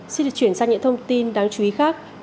xin được chuyển sang những thông tin đáng chú ý khác